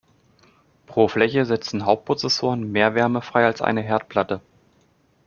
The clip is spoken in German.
Pro Fläche setzen Hauptprozessoren mehr Wärme frei als eine Herdplatte.